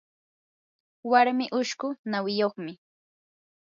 warmii ushqu nawiyuqmi.